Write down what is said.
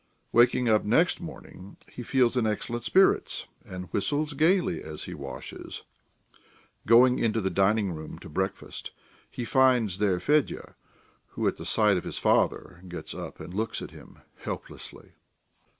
Waking up next morning, he feels in excellent spirits, and whistles gaily as he washes. Going into the dining room to breakfast, he finds there Fedya, who, at the sight of his father, gets up and looks at him helplessly.